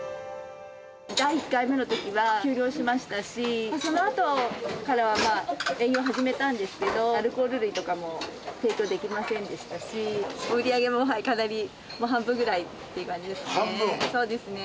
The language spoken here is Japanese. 第１回目のときは休業しましたし、そのあとからはまあ、営業を始めたんですけど、アルコール類とかも提供できませんでしたし、売り上げもかなり、半分ぐらいという感じですね。